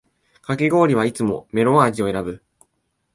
かき氷はいつもメロン味を選ぶ